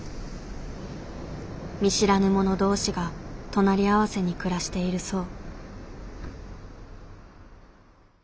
見知らぬ者同士が隣り合わせに暮らしているそう。